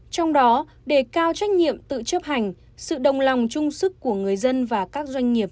trong đó đề cao trách nhiệm tự chấp hành sự đồng lòng trung sức của người dân và các doanh nghiệp